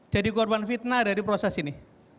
korban fitnah dari proses ini